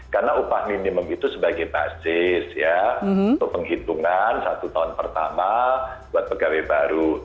karena upah minimum itu sebagai basis ya untuk penghitungan satu tahun pertama buat pegawai baru